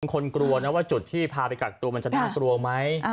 คนกลัวนะว่าจุดที่พาไปกักตัวมันจะน่ากลัวไหม